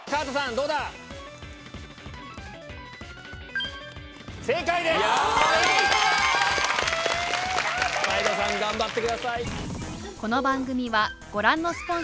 何で⁉前田さん頑張ってください。